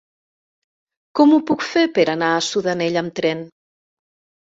Com ho puc fer per anar a Sudanell amb tren?